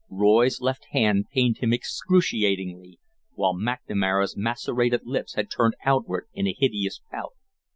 Roy's left hand pained him excruciatingly, while McNamara's macerated lips had turned outward in a hideous pout.